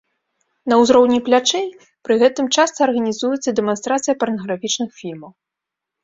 На ўзроўні плячэй пры гэтым часта арганізуецца дэманстрацыя парнаграфічных фільмаў.